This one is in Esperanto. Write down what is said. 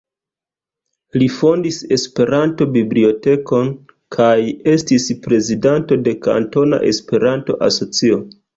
Li fondis Esperanto-bibliotekon, kaj estis prezidanto de Kantona Esperanto-Asocio.